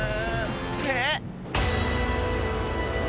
えっ！